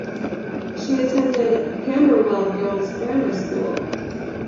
She attended Camberwell Girls Grammar School.